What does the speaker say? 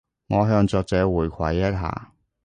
我向作者回饋一下